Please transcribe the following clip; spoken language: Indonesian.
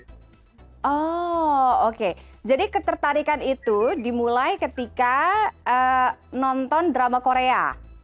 oh oke jadi ketertarikan itu dimulai ketika nonton drama korea